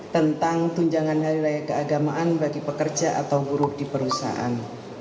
tentang tunjangan hari raya keagamaan bagi pekerja atau buruh di perusahaan